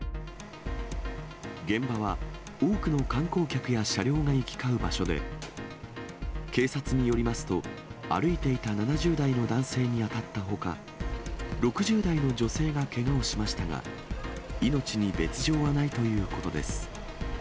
現場は多くの観光客や車両が行き交う場所で、警察によりますと、歩いていた７０代の男性に当たったほか、６０代の女性がけがをしましたが、命に別状はないということです。